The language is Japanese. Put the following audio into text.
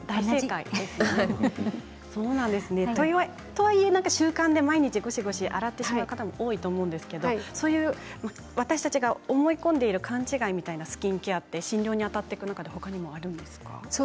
とはいえ習慣で毎日ゴシゴシ洗ってしまう方も多いと思うんですが私たちが思い込んでいる間違いみたいなスキンケアって診療にあたる中で何かありますか。